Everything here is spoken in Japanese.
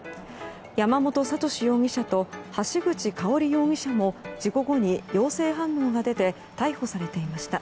山本暁容疑者と橋口かおり容疑者も事故後に陽性反応が出て逮捕されていました。